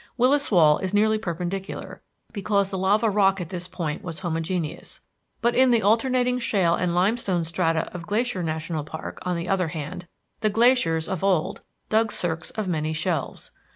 Willis Wall is nearly perpendicular because the lava rock at this point was homogeneous. But in the alternating shale and limestone strata of Glacier National Park, on the other hand, the glaciers of old dug cirques of many shelves.